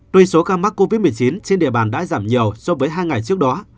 tuy số ca mắc covid một mươi chín trên địa bàn đã giảm nhiều so với hai ngày trước đó